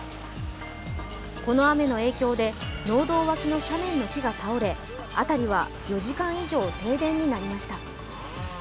この雨の影響で、農道脇の斜面の木が倒れ辺りは４時間以上停電になりました